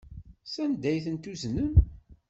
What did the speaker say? Sanda ay tent-tuznem?